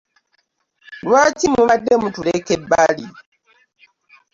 Lwaki mubadde mutuleka ebbali?